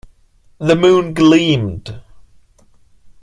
The moon gleamed.